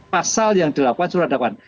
pasal yang dilakukan surat dakwaan